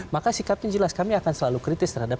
maka sikapnya jelas kami akan selalu kritis terhadap